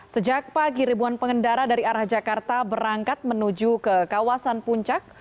sejak pagi ribuan pengendara dari arah jakarta berangkat menuju ke kawasan puncak